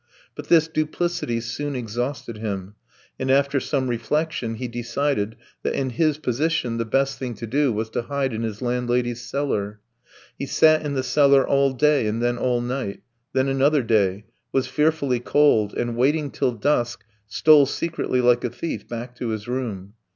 But this duplicity soon exhausted him, and after some reflection he decided that in his position the best thing to do was to hide in his landlady's cellar. He sat in the cellar all day and then all night, then another day, was fearfully cold, and waiting till dusk, stole secretly like a thief back to his room.